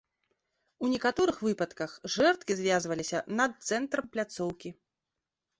У некаторых выпадках жэрдкі звязваліся над цэнтрам пляцоўкі.